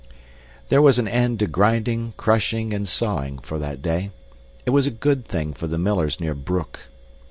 There was an end to grinding, crushing, and sawing for that day. It was a good thing for the millers near Broek.